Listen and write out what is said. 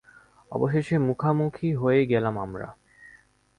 অবশেষে মুখোমুখি হয়েই গেলাম আমরা।